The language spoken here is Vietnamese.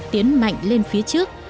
tiến mạnh lên phía trước